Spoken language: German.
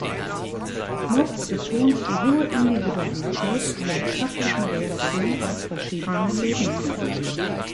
Knop betont die hohe Individualität in der körperlichen Reaktion auf verschiedene Lebensmittel.